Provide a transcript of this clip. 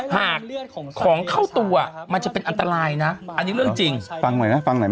หากของเข้าตัวมันจะเป็นอันตรายนะอันนี้เรื่องจริงฟังหน่อยนะฟังหน่อยไหม